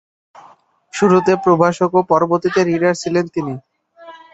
শুরুতে প্রভাষক ও পরবর্তীতে রিডার ছিলেন তিনি।